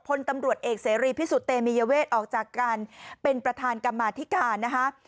พลตำรวจเอกเสรีพิสุทธิ์เตมียเวทออกจากการเป็นประธานกรรมาธิการนะคะ